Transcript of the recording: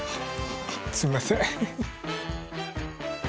フッすいません。